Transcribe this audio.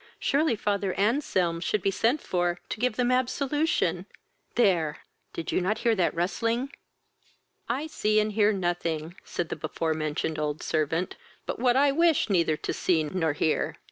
Surely father Anselm should be sent for to give them absolution: There! did you not hear that rustling?" "I see and hear nothing, (said the before mentioned old servant,) but what I wish neither to see not hear.